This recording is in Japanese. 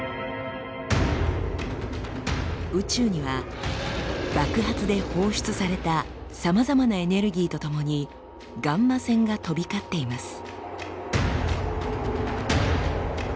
宇宙には爆発で放出されたさまざまなエネルギーとともにガンマ線が飛び交っています。